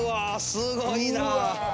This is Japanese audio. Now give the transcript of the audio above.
すごいな。